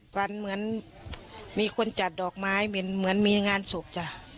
ฝันเหมือนมีคนจัดดอกไม้เหมือนมีงานศพจ้ะ